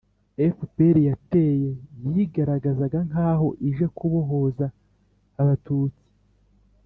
fpr yateye yigaragazaga nk'aho ije kubohoza abatutsi,